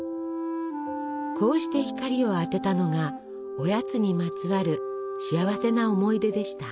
こうして光を当てたのがおやつにまつわる幸せな思い出でした。